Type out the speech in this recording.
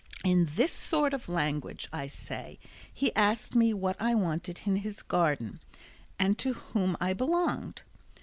In this sort of language, I say, he asked me what I wanted in his garden, and to whom I belonged.